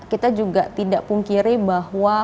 kita juga tidak pungkiri bahwa